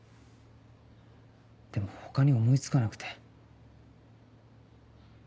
でも他に思い付かなくて。